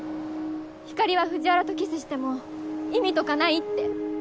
ひかりは藤原とキスしても「意味とかない」って。